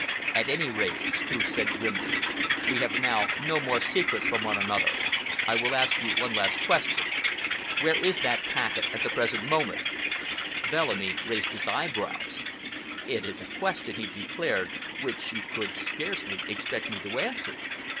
"At any rate," Streuss said grimly, "we have now no more secrets from one another. I will ask you one last question. Where is that packet at the present moment?" Bellamy raised his eyebrows. "It is a question," he declared, "which you could scarcely expect me to answer."